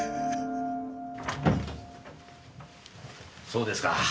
そうですか。